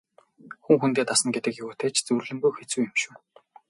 Хүн хүндээ дасна гэдэг юутай ч зүйрлэмгүй хэцүү юм шүү.